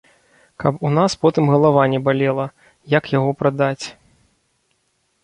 Каб у нас потым галава не балела, як яго прадаць.